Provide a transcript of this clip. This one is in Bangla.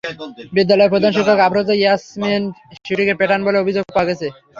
বিদ্যালয়ের প্রধান শিক্ষক আফরোজা ইয়াসমিন শিশুটিকে পেটান বলে অভিযোগ পাওয়া গেছে।